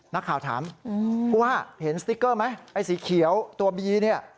นักข่าวถามผู้ว่าเห็นสติ๊กเกอร์ไหมไอ้สีเขียวตัวบีเนี่ย